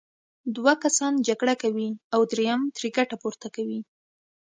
دوه کسان جګړه کوي او دریم ترې ګټه پورته کوي.